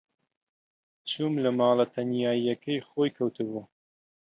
چووم لە ماڵە تەنیایییەکەی خۆی کەوتبوو.